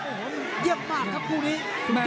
โอ้โหเยี่ยมมากครับคู่นี้